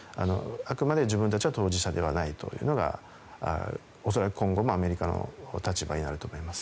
あくまで自分たちは当事者ではないというのが恐らく今後もアメリカの立場になると思います。